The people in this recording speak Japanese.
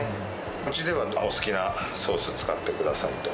うちではお好きなソースを使ってくださいと。